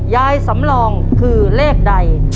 ยายสำรองคือเลขใด